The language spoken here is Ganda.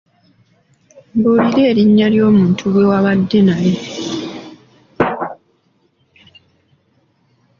Mbulira erinya ly'omuntu gwe wabadde naye.